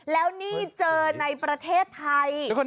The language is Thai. แล้วนี่เจอในประเทศไทย